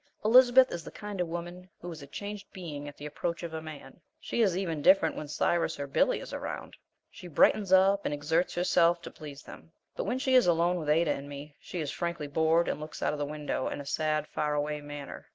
Elizabeth is the kind of woman who is a changed being at the approach of a man; she is even different when Cyrus or Billy is around; she brightens up and exerts herself to please them; but when she is alone with Ada and me she is frankly bored and looks out of the window in a sad, far away manner.